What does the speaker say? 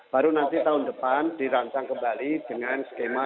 baru nanti tahun depan dirancang kembali dengan skema